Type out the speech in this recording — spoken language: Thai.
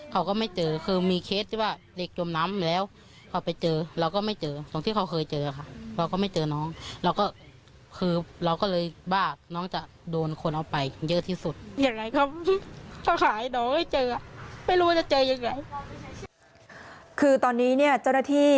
คือตอนนี้เจ้าหน้าที่